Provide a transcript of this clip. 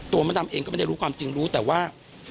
มดดำเองก็ไม่ได้รู้ความจริงรู้แต่ว่า